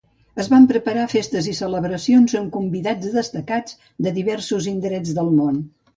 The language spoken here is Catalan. Es van preparar festes i celebracions amb convidats destacats de diversos indrets del món.